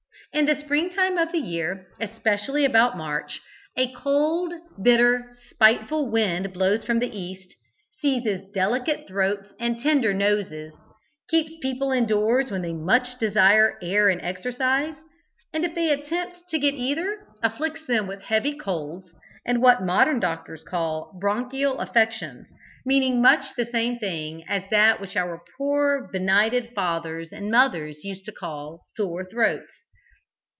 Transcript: In the spring time of the year, especially about March, a cold, bitter, spiteful wind blows from the east, seizes delicate throats and tender noses, keeps people indoors when they much desire air and exercise; and if they attempt to get either, afflicts them with heavy colds, and what modern doctors call "bronchial affections," meaning much the same thing as that which our poor benighted fathers and mothers used to call "sore throats."